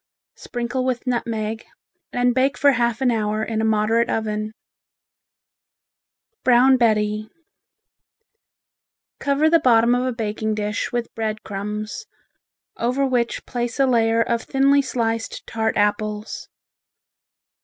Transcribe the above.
Sprinkle with nutmeg, and bake for half an hour in a moderate oven. Brown Betty Cover the bottom of a baking dish with bread crumbs, over which place a layer of thinly sliced tart apples.